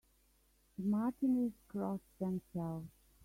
The Martinis cross themselves.